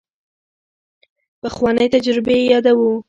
پخوانۍ تجربې چې یادوو.